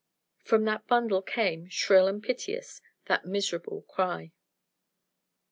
From that bundle came, shrill and piteous, that miserable cry.